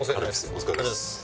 お疲れさまです！